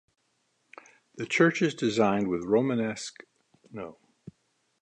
The church is designed with inspiration from Romanesque churches of Northern Italy.